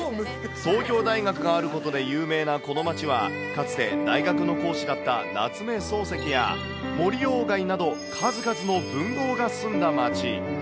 東京大学があることで有名なこの町は、かつて、大学の講師だった夏目漱石や、森鴎外など、数々の文豪が住んだ町。